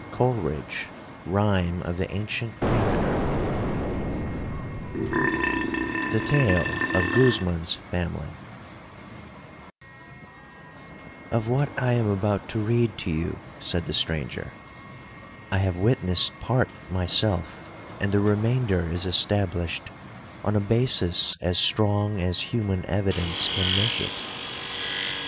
COLERIDGE—Rhyme of the Ancient Mariner The Tale of Guzman's Family 'Of what I am about to read to you,' said the stranger, 'I have witnessed part myself, and the remainder is established on a basis as strong as human evidence can make it.